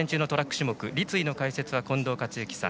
種目立位の解説は近藤克之さん